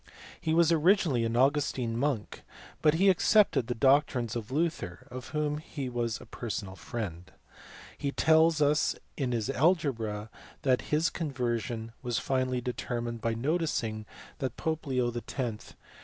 He was originally an Augustine monk, but he accepted the doctrines of Luther of whom he was a personal friend. He tells us in his algebra that his conversion was finally deter mined by noticing that the pope Leo X.